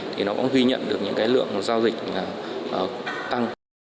thì nó cũng ghi nhận được những cái lượng giao dịch là tăng